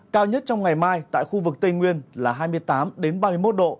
cao nhất trong ngày mai tại khu vực tây nguyên là hai mươi tám ba mươi một độ